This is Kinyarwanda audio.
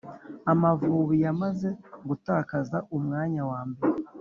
Amavubi yamaze gutakaza umwanya wambere